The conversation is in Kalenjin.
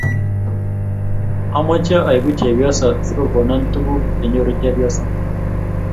Ameche aeku chepyoso si kikonon tukuk che nyoru chepyoso.